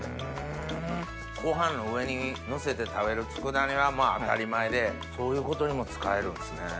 ご飯の上にのせて食べる佃煮は当たり前でそういうことにも使えるんですね。